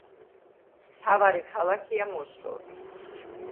მთავარი ქალაქია მოსკოვი.